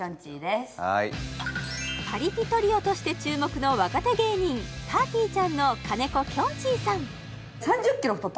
パリピトリオとして注目の若手芸人ぱーてぃーちゃんの金子きょんちぃさん